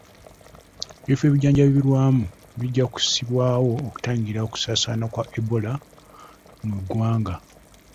Ebifo ebijjanjabirwamu bijja kussibwawo okutangira okusaasaana kwa Ebola mu ggwanga.